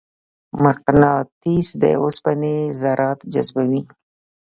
مقناطیس د اوسپنې ذرات جذبوي.